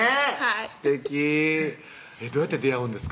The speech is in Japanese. すてきどうやって出会うんですか？